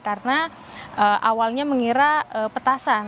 karena awalnya mengira petasan